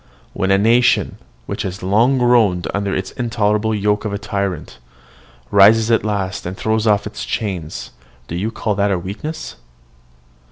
When a nation, which has long groaned under the intolerable yoke of a tyrant, rises at last and throws off its chains, do you call that weakness?